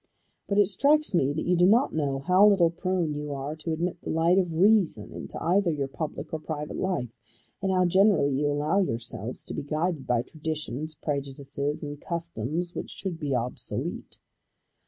But it strikes me that you do not know how little prone you are to admit the light of reason into either your public or private life, and how generally you allow yourselves to be guided by traditions, prejudices, and customs which should be obsolete.